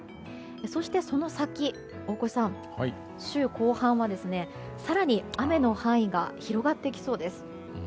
そして、その先大越さん、週後半は更に雨の範囲が広がってきそうです。